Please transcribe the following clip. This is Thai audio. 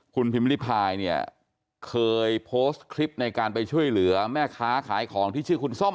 คุณพิมพิริพายเนี่ยเคยโพสต์คลิปในการไปช่วยเหลือแม่ค้าขายของที่ชื่อคุณส้ม